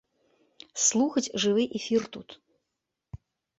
Слухаць жывы эфір тут.